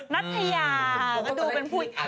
นัทยาก็ดูเป็นผู้หญิง